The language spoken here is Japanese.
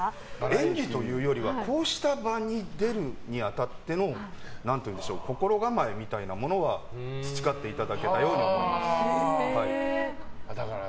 演技というよりはこうした場に出るにあたっての心構えみたいなものは培っていただけたように思います。